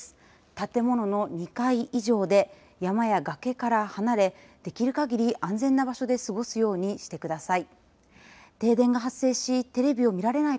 建物の２階以上で山や崖から離れできるかぎり安全な場所で過ごすようにしてください。